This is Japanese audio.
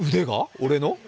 俺の？